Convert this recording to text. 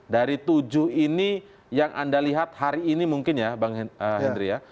dari tujuh ini yang anda lihat hari ini mungkin ya bang hendri ya